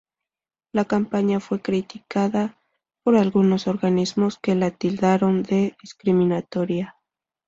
La campaña fue criticada por algunos organismos que la tildaron de discriminatoria.